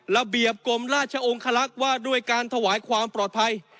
ระเบียบกรมราชองคลักษณ์ว่าด้วยการถวายความปลอดภัย